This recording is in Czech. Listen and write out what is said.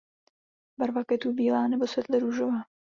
Barva květů bílá nebo světle růžová.